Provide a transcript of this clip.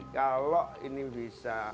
kalau ini bisa